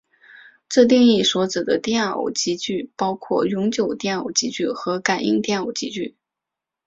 这定义所指的电偶极矩包括永久电偶极矩和感应电偶极矩。